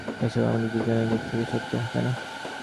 এসব আমাদের দুজনের দিক থেকেই সত্য, তাইনা?